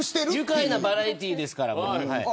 愉快なバラエティーですから。